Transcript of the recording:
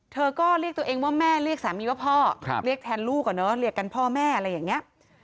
ก็เรียกตัวเองว่าแม่เรียกสามีว่าพ่อเรียกแทนลูกอ่ะเนอะเรียกกันพ่อแม่อะไรอย่างนี้